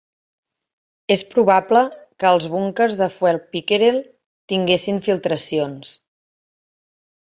És probable que es els búnquers de fuel "Pickerel" tinguessin filtracions.